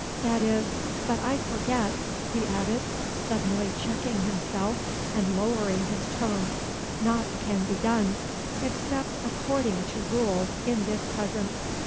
That is but I forget," he added, suddenly checking himself, and lowering his tone, "naught can be done, except according to rule, in this presence.